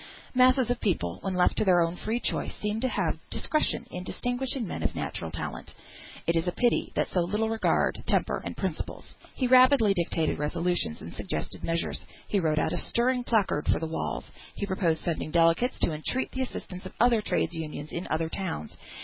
Masses of people, when left to their own free choice, seem to have discretion in distinguishing men of natural talent; it is a pity they so little regard temper and principles. He rapidly dictated resolutions, and suggested measures. He wrote out a stirring placard for the walls. He proposed sending delegates to entreat the assistance of other Trades' Unions in other towns.